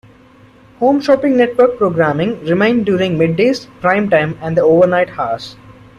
Home Shopping Network programming remained during middays, prime time, and the overnight hours.